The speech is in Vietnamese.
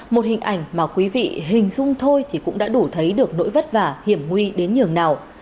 một hình ảnh mà quý vị hình dung thôi thì cũng đã đủ thấy được nỗi vất vả hiểm nguy đến nhường nào